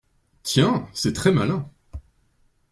Tiens ! c’est très malin.